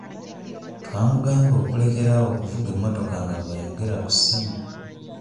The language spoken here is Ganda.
Twamugamba okulekera awo okuvuga emmotoka nga bw'ayogerera ku ssimu.